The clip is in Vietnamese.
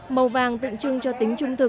màu vàng tự trưng cho tính trung thực